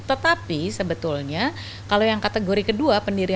tetapi sebetulnya kalau yang kategori kedua pendirian